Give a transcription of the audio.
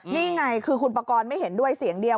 นี่ไงคือคุณปกรณ์ไม่เห็นด้วยเสียงเดียว